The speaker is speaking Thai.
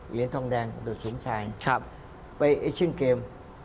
เหรียญทองแดงดูดสมชายไปเอเชียนเกม